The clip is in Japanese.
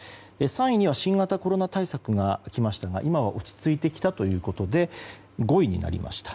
３位には新型コロナ対策がきていますが今は落ち着いてきたということで５位になりました。